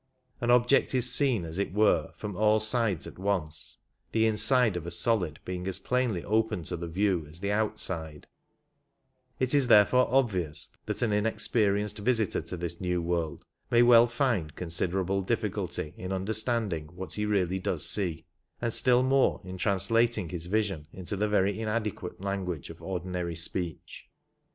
An object is seen, as it were, from all sides at once, the inside of a solid being as plainly open to the view as the outside ; it is therefore obvious that an inexperienced visitor to this new world may well find considerable difficulty in understanding what he really does see, and still more in translating his vision into the very inadequate language of ordinary speech.